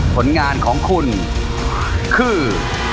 ผลงานของคุณคือ